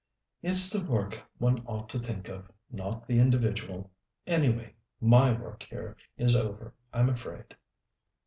"It's the work one ought to think of, not the individual. Anyway, my work here is over, I'm afraid."